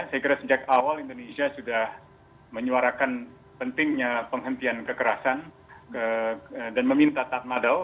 saya kira sejak awal indonesia sudah menyuarakan pentingnya penghentian kekerasan dan meminta tatmadaw